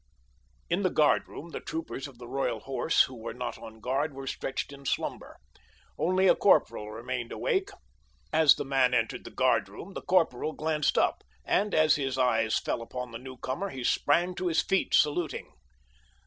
In the guardroom the troopers of the Royal Horse who were not on guard were stretched in slumber. Only a corporal remained awake. As the man entered the guardroom the corporal glanced up, and as his eyes fell upon the newcomer, he sprang to his feet, saluting.